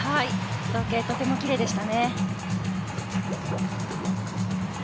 造形がとてもきれいでしたね。